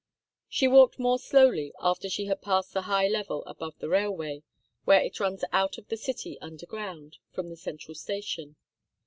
She walked more slowly after she had passed the high level above the railway, where it runs out of the city under ground from the central station.